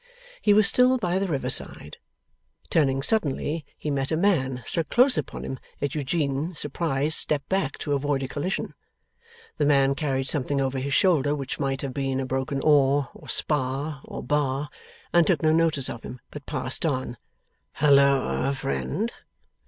He was still by the river side. Turning suddenly, he met a man, so close upon him that Eugene, surprised, stepped back, to avoid a collision. The man carried something over his shoulder which might have been a broken oar, or spar, or bar, and took no notice of him, but passed on. 'Halloa, friend!